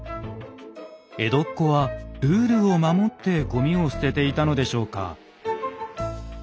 江戸っ子はルールを守ってごみを捨てていたのでしょうか？